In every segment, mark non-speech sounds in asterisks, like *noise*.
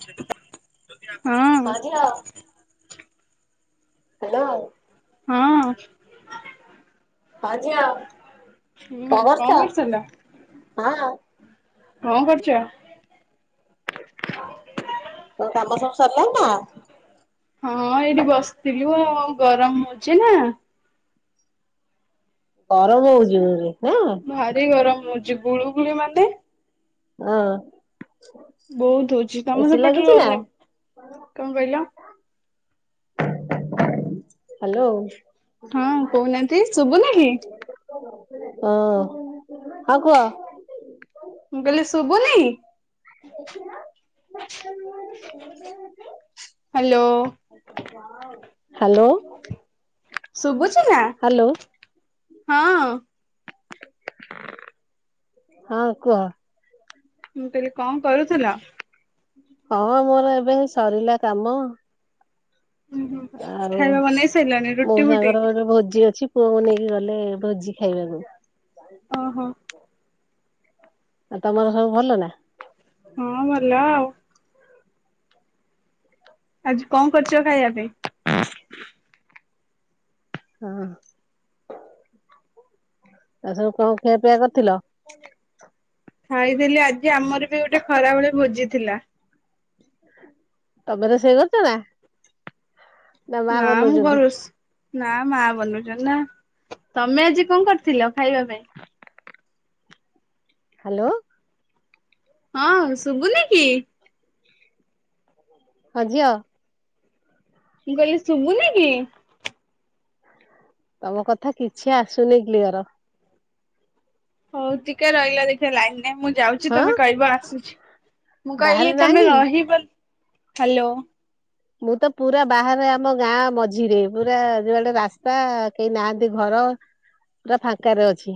ସେଟା *inaudible* ହଁ ଝିଅ ହ୍ୟାଲୋ। ହଁ। ହଁ ଝିଅ ହୁଁ କଣ କରୁଥିଲ? ହଁ କଣ କରୁଚ? ତମ କାମ ସବୁ ସରଲାଣି ନା? ହଁ ଏଇଠି ବସିଥିଲୁ ଆଉ ଗରମ ହଉଚି ନା। ଗରମ ହଉଚି *unintelligible* ନା? ଭାରି ଗରମ ହଉଚି ଗୁଳୁ ଗୁଳି ମାନେ ହଁ। ବହୁତ ହଉଚି ତମ ଏସି ସେପଟରେ ଲାଗିଛି ନା? ହଉନି? କଣ କହିଲ? ହ୍ୟାଲୋ। ହଁ କଉନାହାନ୍ତି। ଶୁବୁନି କି? ହଁ ହଁ କୁହ। ମୁଁ କହିଲି ଶୁବୁନି? ଦେଖ *inaudible* ହ୍ୟାଲୋ। ହ୍ୟାଲୋ। ଶୁବୁଚି ନା? ହ୍ୟାଲୋ ହଁ। ହଁ କୁହ। ମୁଁ କଇଲି କଁ କରୁଥିଲ? ହଁ ମୋର ଏବେ ଏଇ ସରିଲା କାମ ଆଉ ଖାଇବା ବନେଇ ସାରିଲଣି ରୁଟି ଫୁଟି ମୋଉସାଙ୍କର ଗୋଟେ ଭୋଜି ଅଛି ପୁଅକୁ ନେଇକି ଗଲେ ଭୋଜି ଖାଇବାକୁ। ଓହୋ। ଆଉ ତମର ସବୁ ଭଲ ନା। ହଁ ଭଲ ଆଉ। ଆଜି କଣ କରୁଛ ଖାଇବା ପାଇଁ? ଓଃ ଆ ସବୁ କଣ ଖିଆପିଆ କରିଥିଲ? ଖାଇଥିଲି ଆଜି ଆମର ବି ଗୋଟେ ଖରାବେଳେ ଭୋଜି ଥିଲା। ତମେ ତ ସେଇ କରଛନା। ନା ମୁଁ ଘରେ ବସି ନା ମା ବନଉଛ ନା ତମେ ଆଜି କଣ କରିଥିଲ ଖାଇବା ପାଇଁ? ହ୍ୟାଲୋ ହଁ ଶୁଭୁନି କି? ହଜି ଆ ମୁଁ କହିଲି ଶୁଭୁନ କି? ତମ କଥା କିଛି ଆସୁନି କ୍ଲିଅର। ହଉ ଟିକେ ରହିଲା ଦେଖିବା ଲାଇନ ନାଇ ମୁଁ ଯାଉଛି ହଁ ତମେ କହିବ ଆସୁଛି। ମୁଁ ବାହାରେ କହିଲି ନା ତମେ କି? ରହିବ ହ୍ୟାଲୋ। ମୁଁ ତ ପୁରା ବାହାରେ ଆମ ଗାଁ ମଝିରେ ପୁରା ଯୁଆଡେ ରାସ୍ତା କେହି ନାହାନ୍ତି ଘର ପୁରା ଫାଙ୍କାରେ ଅଛି।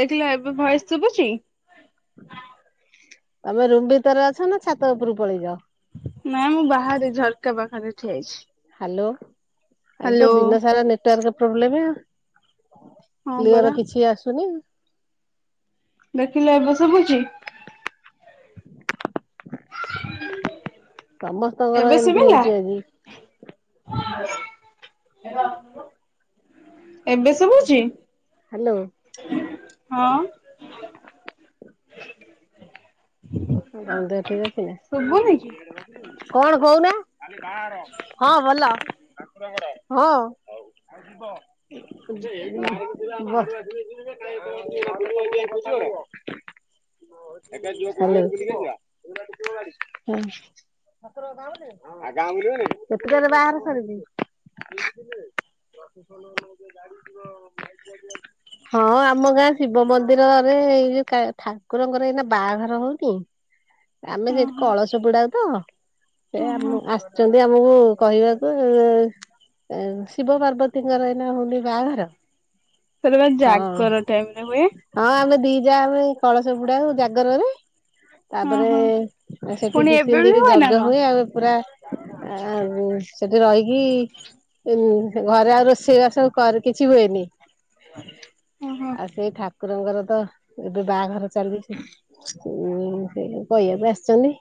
ଦେଖିଲ ଏବେ ଭୟସ ଶୁଭୁଚି। ତମେ ରୁମ୍ ଭିତରେ ଅଛ ନା ଛାତ ଉପରୁ ପଳେଇଛ। ନାାଇଁ ମୁଁ ବାହାରେ ଝରକା ପାଖରେ ଠିଆ ହେଇଛି। ହ୍ୟାଲୋ ଆଜି ତ ହ୍ୟାଲୋ ଦିନ ସାରା ନେଟୱାର୍କ ପ୍ରୋବ୍ଲେମ। ହଁ ପରା କ୍ଲିୟର କିଛି ଆସୁନି। ଦେଖିଲେ ଏବେ ଶୁବୁଛି। *unintelligible* ସମସ୍ତଙ୍କର ଏବେ ଏମିତି ଶୁଭିଲା ହଉଛି ଆଜି। ହେ ଏବେ ଶୁବୁଛି। ହ୍ୟାଲୋ। ହଁ। ତମ ଦେହ ଠିକ ଅଛି ନା ଶୁଭୁନି କି? କଣ କହୁନା? ହଁ ଭଲ ହଁ। *unintelligible* ହାଲୋ ହଁ। କେତୁଟା ରେ ବାହାଘର ସରୁଚି। ପୁରା ଫୋସଲ ହଁ ଆମ ଗାଁ ଶିବ ମନ୍ଦିରରେ ଏଇ ଯୋଉ ଠାକୁରଙ୍କର ଏଇନା ବାହାଘର ହଉ କି ଆମେ ସେଠି ଓହୋ କଳସ ବୁଡ଼ାଉ ତ। ଏ ଓହୋ ଆମ ଆସିଛନ୍ତି ଆମକୁ କହିବାକୁ ଶିବ ପାର୍ବତୀଙ୍କର ଏଇନା ହଉନି ବାହାଘର। ସେଟ ବା ହଁ ଜାଗର ଟାଇମ ରେ ହୁଏ। ହଁ ଆମେ ଦି ଯା ଆମେ କଳସ ବୁଡ଼ାଉ ଜାଗରରେ। ତାପରେ ଓହୋ ସେଠି ପୁଣି ଦି ଏବେ ତିନି ବି ଦିରି ନା ଯଜ୍ଞ କଣ ହୁଏ ଆଉ ପୁରା ଆଉ ସେଠି ରହିକି ଉ ଘରେ ଆଉ ରୋଷେଇ ବାସ କରେ କିଛି ହୁଏନି। ଓହୋ ଆଉ ସେଇ ଠାକୁରଙ୍କର ତ ଏବେ ବାହାଘର ଚାଲିଛି। ହୁଁ ସେଇ ଲୋକ ଇଏ ବି ଆସିଚନ୍ତି।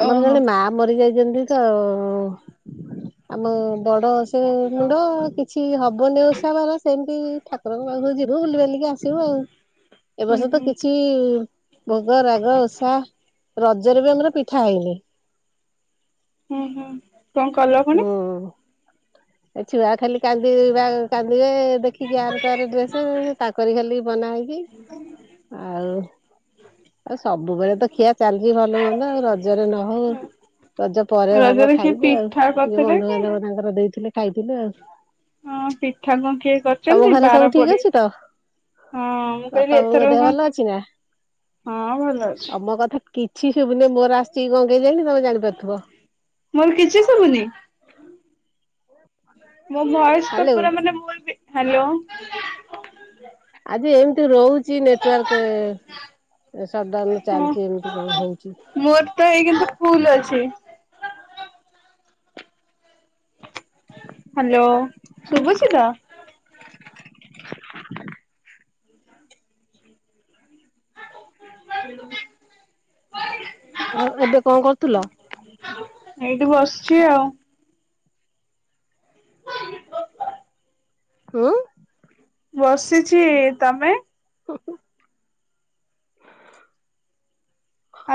ଆମର ଓହୋ। ଜଣେ ମା ମରି ଯାଇଚନ୍ତି ତ ଆମ ବଡ ସେ ମୁଣ୍ଡ କିଛି ହବନି ଓଷା ବାର ସେମିତି ଠାକୁରଙ୍କ ପାଖକୁ ଯିବୁ ବୁଲି ବାଲିକି ଆସିବୁ ଆଉ। ଏବ ହୁଁ ବର୍ଷ ତ ହୁଁ କିଛି ଭୋଗ ରାଗ ଓଷା ରଜରେ ବି ଆମର ପିଠା ହେଇନି। ହୁଁ -ହୁଁ। କଣ୍ କଲ? ପୁଣି? ହୁଁ ଏ ଛୁଆ ଖାଲି କାନ୍ଦିବା- କାନ୍ଦିବେ ଦେଖି ଖିକି ଆର ତାର ଡ୍ରେସେ ତାଙ୍କରି ଖାଲି ବନା ହେଇକି ଆଉ ଆଉ ସବୁବେଳେ ତ ଖିଆ ଚାଲିଚି ଭଲ ମନ୍ଦ ଆଉ ରଜରେ ନ ହଉ। ରଜ ପରେ ହବ ରଜରେ କିଏ ଖାଇବୁ ଆଉ ପିଠା ଯେ କରିଥିଲେ କି? ବନ୍ଧୁବାନ୍ଧବ ତାଙ୍କର ଦେଇଥିଲେ ଖାଇଥିଲୁ ଆଉ ହଁ ପିଠା ପୁଠି ତମ କରିଚନ୍ତି ଘରେ ସବୁ ବାର ଠିକ ପଡି ଅଛି ତ? ହଁ ମୁଁ ବାପା କହିଲି ବୋଉଙ୍କ ଏଥରକ ଦେହ କଣ୍ ଭଲ ଅଛି ନା? -ହଁ ଭଲ ଅଛି। ତମ *unintelligible* ତମେ ଜାଣିପାରୁଥିବ ମୋର କିଛି ଶୁବୁନି? ମୋ ଭଏସ୍ ତ ହାଲୋ ପୁରା ମାନେ ମୋର୍ ବି -ହାଲୋ। ଆଜି ଏମ୍ ତି ରହୁଚି ନେଟୱାର୍କ ସଟଡାଉନ୍ ହଁ। ଚାଲିଚି ଏମିତି କଣ ହଉଚି। ମୋର ତ ଏଇ କିନ୍ତୁ ଫୁଲ୍ ଅଛି। ହାଲୋ ଶୁଭୁଚି ତ? *inaudible* ହଁ-ଏବେ କଣ କରୁଥିଲ? ଏଇଠେ ବସିଚି ଆଉ। *inaudible* ହୁଁ। ବସିଚି। ତମେ?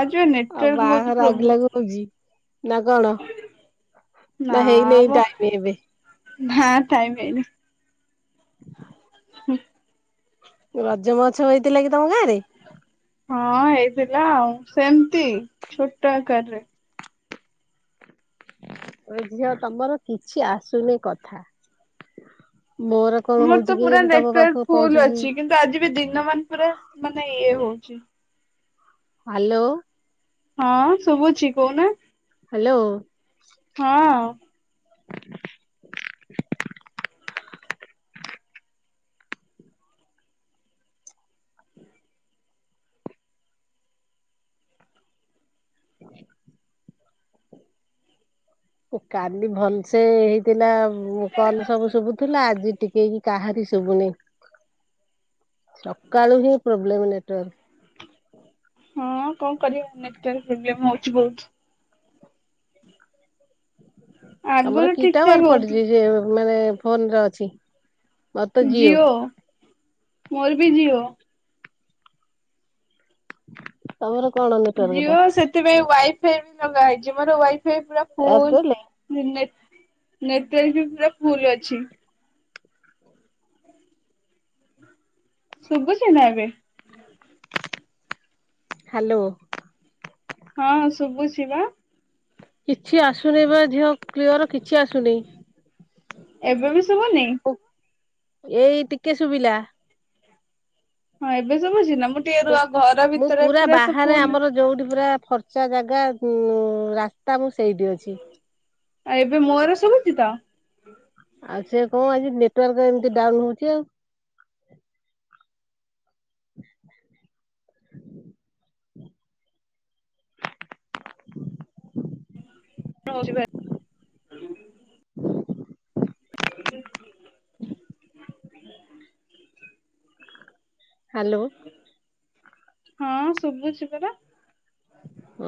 ଆଜି ବା ଆଉ ନେଟୱାର୍କ ବହୁତ ବାହାଘର ପ୍ରୋବ୍ଲେମ ଆଗିଲାକୁ ହଉଚି। ନା କଣ ନା ହେଇ ନେଇ ଟାଇମି ଏବେ? ନାଁ ଟାଇମ୍ ହେଇନି। ହୁଁ। ରଜ ମହୋତ୍ସବ ହେଇଥିଲା କି ତମ ଗାଁ ରେ? ହଁ ହେଇଥିଲା ଆଉ ସେମିତି ଛୋଟ ଆକାରରେ। ଏ ଝିଅ ତମର କିଛି ଆସୁନି କଥା ମୋର କଣ ମୋର ହଉଛି ତ ପୁରା କେଜାଣି ତମ ପାଖକୁ ନେଟୱାର୍କ ଫୁଲ୍ ପହଞ୍ଚୁଛି। ଅଛି କିନ୍ତୁ ଆଜି ବି ଦିନ ମାନ୍ ପୁରା ମାନେ ଇଏ ହଉଚି। ହାଲୋ। ହଁ ଶୁବୁଚି କହୁନା। ହାଲୋ। ହଁ। *inaudible* ଏ କାଲି ଭଲ୍ ସେ ହେଇଥିଲା କଲ୍ ସବୁ ଶୁବୁଥିଲା ଆଜି ଟିକେ ବି କାହାରି ଶୁବୁନେଇ ସକାଳୁ ହିଁ ପ୍ରୋବ୍ଲେମ୍ ନେଟୱାର୍କ। ହଁ କଣ କରିବା ନେଟୱାର୍କ୍ ପ୍ରୋବ୍ଲେମ୍ ହଉଚି ବହୁତ୍। ତମର ଆଗରୁ କି ଠିକ ଠାକ ଟାୱାର୍ ପଡିଚି ହଉଥିଲା ସେ ମାନେ ଫୋନ୍ ରେ ଅଛି? ମୋର ତ ଜିଓ ମୋର୍ ବି ଜିଓ। ତମର କଣ ନେ ଜିଓ ସେଥିପାଇଁ ୱାଇଫାଇ ବି ଲଗା ହେଇଚି ମୋର ୱାଇଫାଇ ପୁରା ଫୁଲ୍। ଏୟାରଟେଲ? ନେଟୱାର୍କ ବି ପୁରା ଫୁଲ୍ ଅଛି। ଶୁବୁଚି ନାଁ ଏବେ? ହାଲୋ। ହଁ ଶୁଭୁଛି ବା। କିଛି ଆସୁନି ବା ଝିଅ କ୍ଲିଅର କିଛି ଆସୁନି। ଏବେ ବି ଶୁଭୁନି। ଏଇ ଟିକେ ଶୁଭିଲା। ହଁ ଏବେ ଶୁଭୁଛି ନା ମୁଁ ଟିକେ ରୁହ ଘର ମୁଁ ଭିତରେ ପୁରା ତ ବାହାରେ ଫୁଲ ଆମର ଯୋଉଠି ପୁରା ଫର୍ ଫର୍ଚ୍ଚା ଜାଗା ଉଁ ରାସ୍ତା ମୁଁ ସେଇଠି ଅଛି। ଆଉ ଏବେ ମୋର ଶୁଭୁଛି ତ। ଆଉ ସେ କଣ ଆଜି ନେଟୱାର୍କ ଏମିତି ଡାଉନ ହଉଛି ଆଉ। ରହୁଛି *unintelligible* *unintelligible* ହ୍ୟାଲୋ। ହଁ ଶୁଭୁଛି ପରା।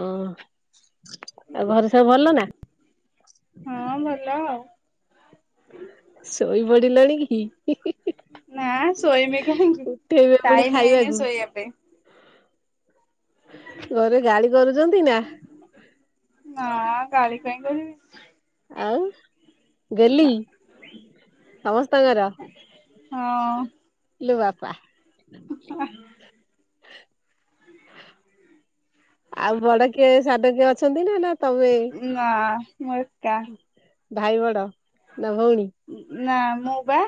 ଓ ଆଉ ଘରେ ସବୁ ଭଲ ନା। ହଁ ଭଲ ଆଉ। ଶୋଇ ପଡିଲଣି କି। ନାଁ ଶୋଇବେ କାହିଁକି ଉଠେଇବେ ପୁଣି ଟାଇମ୍ ହେଇନି ଖାଇବାକୁ ଶୋଇବା ପାଇଁ। ଘରେ ଗାଳି କରୁଛନ୍ତି ନା। ନା ଗାଳି କାହିଁ କରିବେ। ଆଉ। ଗେହ୍ଲି। ସମସ୍ତଙ୍କର। ହଁ। ଲୋ ବାପା। ତୁ ତ ବାହା ଆଉ ବଡ କିଏ ସାନ କିଏ ଅଛନ୍ତି ନା ନା ତମେ ନା ମୁଁ ଏକା। ଭାଇ ବଡ ନା ଭଉଣୀ। ନା ମୁଁ ବା।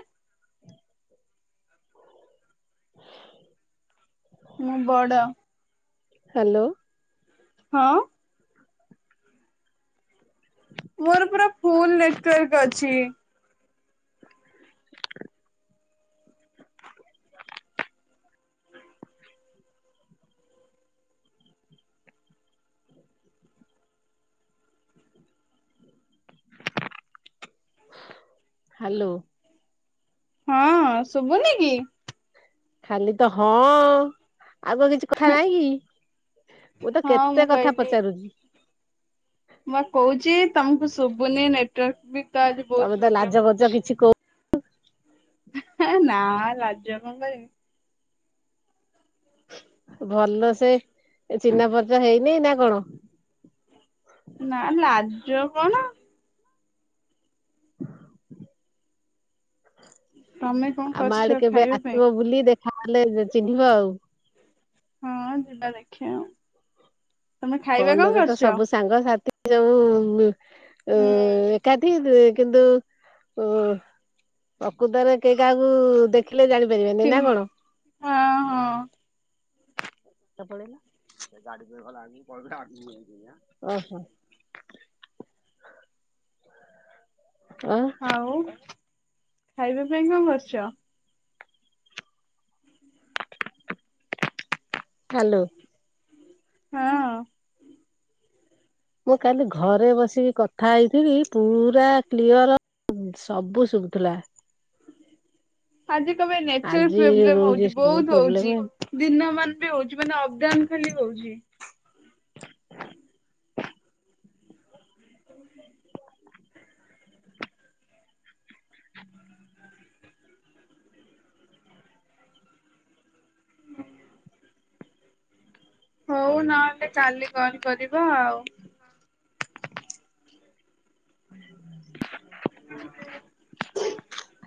ମୁଁ ବଡ଼। ହ୍ୟାଲୋ। ହଁ। ମୋର ପୁରା ଫୁଲ୍ ନେଟ୍ ୱାର୍କ ଅଛି। ହ୍ୟାଲୋ। ହଁ ଶୁଭୁନି କି। ଖାଲି ତ ହଁ ଆଉ। ଆଉ କଣ କିଛି କଥା ନାଇଁ କି ମୁଁ ତ ହଁ କେତେ କଥା କହିଲି ପଚାରୁଛି। ମୁଁ କହୁଛି ତମକୁ ଶୁଭୁନି ନେଟୱାର୍କ ବି ତ ଆଜି ବହୁତ ତମେ ତ ଲାଜ ପ୍ରୋବ୍ଲେମ୍ କରୁଛ ହୋଉଛି। କିଛି କହୁ ନା ଲାଜ କଣ କରିବି। ଭଲ ସେ ଚିହ୍ନା ପରିଚୟ ହେଇନି ନା କଣ? ନା ଲାଜ କଣ। ତମେ କଣ ଆମ ଆଡେ କରିଛ କେବେ ଖାଇବା ପାଇଁ? ଆସିବ ବୁଲି ଦେଖାହଲେ ଚିହ୍ନିବ ଆଉ। ହଁ ଯିବା ଦେଖିଆ ଆଉ। ତମେ ଖାଇବା ଫୋନ୍ କଣ ରେ ତ କରିଛ? ସବୁ ସାଙ୍ଗସାଥି ଯୋଉ ମି ଅ ହୁଁ ଏକାଠି କିନ୍ତୁ ଓ ପ୍ରକୃତରେ କେହି କାହାକୁ ଦେଖିଲେ ଜାଣିପାରିବେନି ଚିନ୍ ନା କଣ? ହଁ ହଁ। ପଦଳିଲା। ସେ ଗାଡି ପାଇଁ ଗଲାଳୁକୁ ପଳେଇଲା। ଆଗକୁ ଯାଇଛି ଆରି ଆ। ଓ ହୋ। *inaudible* *inaudible* ଆଉ। ଖାଇବା ପାଇଁ କଣ କରୁଛ? ହା ଲୋ। ହଁ ଅଁ। ମୁଁ କାଲି ଘରେ ବସିକି କଥା ହଉଥିଲି ପୁରା କ୍ଲିଅର- ସବୁ ଶୁଭୁଥିଲା। ଆଜି କେବେ ନେଟ୍ ୱାର୍କ ଆଜି ପ୍ରୋବ୍ଲେମ ରହୁଛି ହଉଛି। ସବୁ ବହୁତ ହଉଛି। ପ୍ରୋବ୍ଲେମ। ଦିନ ମାନ ହଉଛି। ମାନେ ଅପ୍ ଡାଉନ୍ ଖାଲି ହଉଛି। *inaudible* ହଉ ନହେଲେ କାଲି କଣ କରିବା ଆଉ। *unintelligible*